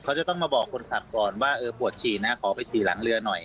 เขาจะต้องมาบอกคนขับก่อนว่าเออปวดฉี่นะขอไปฉี่หลังเรือหน่อย